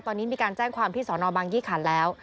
ตอนนี้มีการแจ้งความที่สอนอบางยี่ขันแล้ว